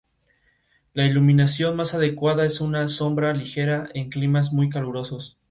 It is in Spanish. La iluminación más adecuada es una sombra ligera en climas muy calurosos.